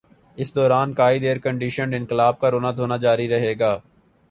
اس دوران قائد ائیرکنڈیشنڈ انقلاب کا رونا دھونا جاری رہے گا۔